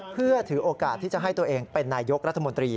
เพื่อถือโอกาสที่จะให้ตัวเองเป็นนายกรัฐมนตรี